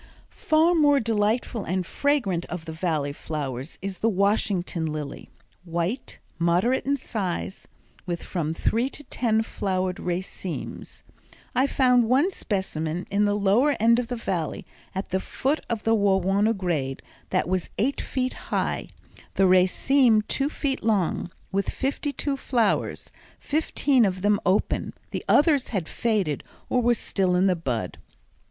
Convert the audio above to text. Far the most delightful and fragrant of the Valley flowers is the Washington lily, white, moderate in size, with from three to ten flowered racemes. I found one specimen in the lower end of the Valley at the foot of the Wawona grade that was eight feet high, the raceme two feet long, with fifty two flowers, fifteen of them open; the others had faded or were still in the bud.